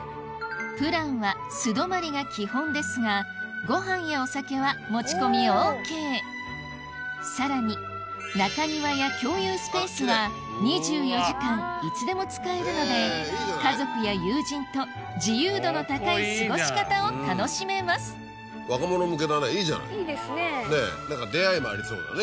プランは素泊まりが基本ですがご飯やお酒は持ち込みＯＫさらに中庭や共有スペースは２４時間いつでも使えるので家族や友人と自由度の高い過ごし方を楽しめますいいですね。